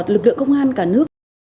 lực lượng công an cả nước